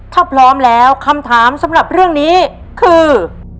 ถ้าพร้อมแล้วคำถามสำหรับเรื่องนี้คือ